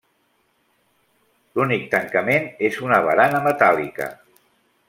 L'únic tancament és una barana metàl·lica.